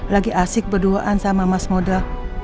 lagi asik berduaan sama mas moda